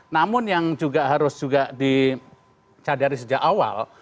bahwa hati hati kapolri ini untuk mendedik